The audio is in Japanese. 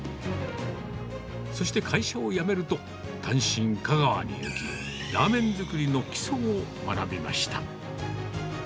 そして会社を辞めると、単身、香川に行き、ラーメン作りの基礎を学びました。